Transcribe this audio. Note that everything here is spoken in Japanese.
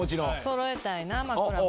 そろえたいな枕も。